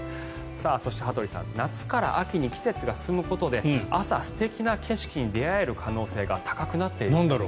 そして、羽鳥さん夏から秋に季節が進むことで朝、素敵な景色に出会える可能性が高くなっているんです。